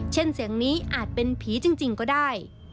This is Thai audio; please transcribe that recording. เช่นเสียงนี้อาจเป็นผีจริงก็ได้